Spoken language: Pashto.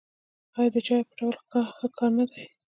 آیا د چا عیب پټول ښه کار نه دی؟